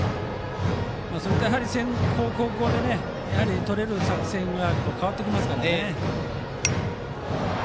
それと先攻、後攻で取れる作戦が変わって来ますから。